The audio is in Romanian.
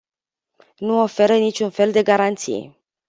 Nu oferă niciun fel de garanții.